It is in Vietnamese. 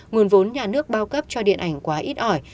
nguồn vốn nhà nước bao cấp cho điện ảnh quá ít ỏi